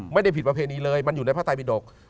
ไม่ได้ผิดประเภทนี้เลยมันอยู่ในพระศัพท์บิดกราวไว้